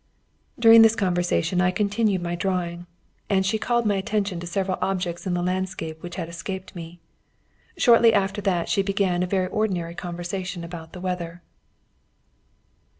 During this conversation I continued my drawing, and she called my attention to several objects in the landscape which had escaped me. Shortly after that she began a very ordinary conversation about the weather.